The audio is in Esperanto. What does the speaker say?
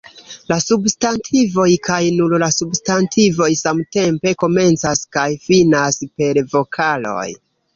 La substantivoj, kaj nur la substantivoj, samtempe komencas kaj finas per vokaloj.